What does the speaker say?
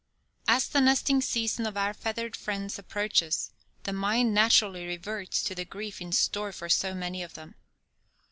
As the nesting season of our feathered friends approaches the mind naturally reverts to the grief in store for so many of them.